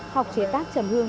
học chế tác trầm hương